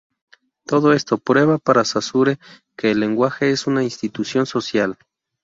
Todo esto prueba para Saussure que el lenguaje es una institución social.